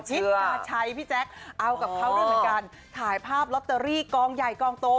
ชิดกาชัยพี่แจ๊คเอากับเขาด้วยเหมือนกันถ่ายภาพลอตเตอรี่กองใหญ่กองโต